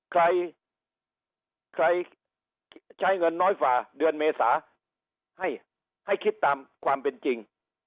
ใครใครใช้เงินน้อยฝ่าเดือนเมษาให้คิดตามความเป็นจริง